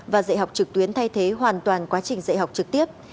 và dạy học trực tuyến thay thế hoàn toàn quá trình dạy học trực tiếp